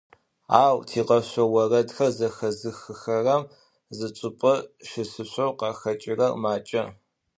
Ау тикъэшъо орэдхэр зэхэзыхыхэрэм зычӏыпӏэ щысышъоу къахэкӏырэр макӏэ.